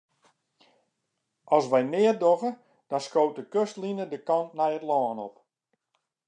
As wy neat dogge, dan skoot de kustline de kant nei it lân op.